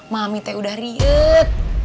mami teh udah riet